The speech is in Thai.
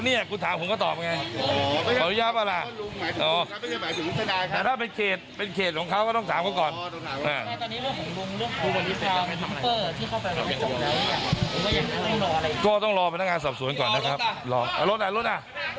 มีอาหารผมตอบลงต้องรอพนักงานสบสูรก่อนนะครับเอาล่ะหน่อยล่ะ